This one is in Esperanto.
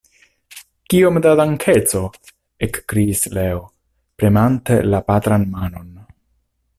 Kiom da dankeco! ekkriis Leo, premante la patran manon.